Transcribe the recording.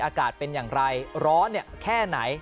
อากาศเป็นอย่างไรร้อนแค่ไหน